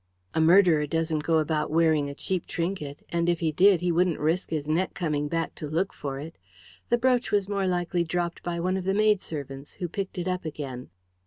"A murderer doesn't go about wearing a cheap trinket, and, if he did, he wouldn't risk his neck coming back to look for it. The brooch was more likely dropped by one of the maidservants, who picked it up again."